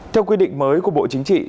theo quy định mới của bộ chính trị